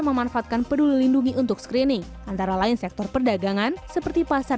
memanfaatkan peduli lindungi untuk screening antara lain sektor perdagangan seperti pasar